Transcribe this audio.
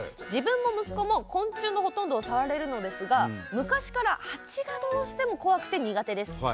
自分も息子も昆虫のほとんどを触れるのですが昔から蜂がどうしても怖くて苦手です。